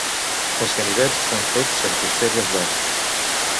Els ganivets estan fets amb costelles d'ant.